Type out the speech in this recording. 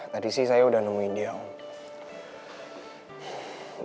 tadi sih saya udah nemuin dia om